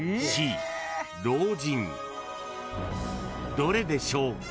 ［どれでしょう？］